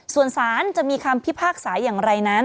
ส่วนสารจะมีคำพิพากษาอย่างไรนั้น